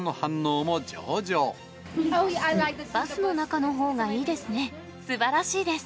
バスの中のほうがいいですね。